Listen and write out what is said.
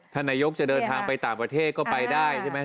นายกจะเดินทางไปต่างประเทศก็ไปได้ใช่ไหม